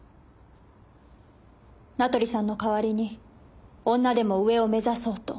名取さんの代わりに女でも上を目指そうと。